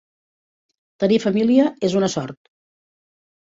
Tenir família és una sort.